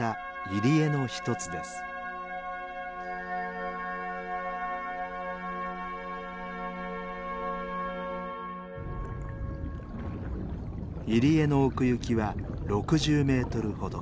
入り江の奥行きは６０メートルほど。